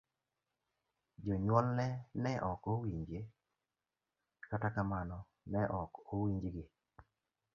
Jonyuolne ne ok owinje, kata kamano ne ok owinjgi.